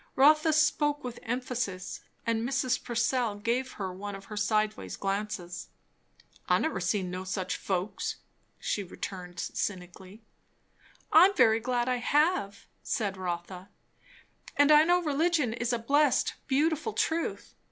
Rotha spoke with emphasis, and Mrs. Purcell gave her one of her sideway glances. "I never see no such folks," she returned cynically. "I am very glad I have," said Rotha; "and I know religion is a blessed, beautiful truth.